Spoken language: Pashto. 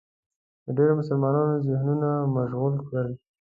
د ډېرو مسلمانانو ذهنونه مشغول کړل